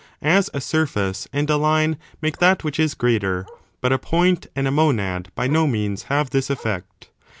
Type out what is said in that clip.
As a surface and a line make that which is greater ; but a point ahd a monad, by no means, have this effect.